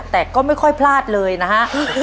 แต่ก็ไม่ค่อยพลาดเลยนะฮะ